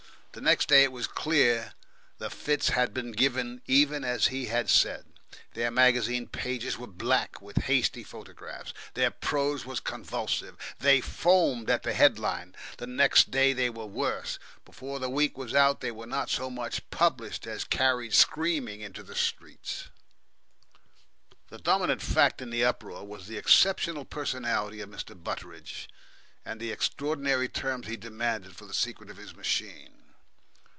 The next day it was clear the fits had been given even as he said: their magazine pages were black with hasty photographs, their prose was convulsive, they foamed at the headline. The next day they were worse. Before the week was out they were not so much published as carried screaming into the street. The dominant fact in the uproar was the exceptional personality of Mr. Butteridge, and the extraordinary terms he demanded for the secret of his machine.